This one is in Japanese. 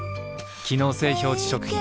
機能性表示食品